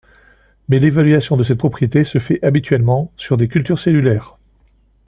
Mais l'évaluation de cette propriété se fait habituellement sur des cultures cellulaires.